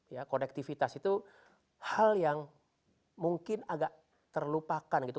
ya konektivitas itu hal yang mungkin agak terlupakan gitu